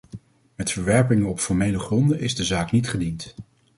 Met verwerping op formele gronden is de zaak niet gediend.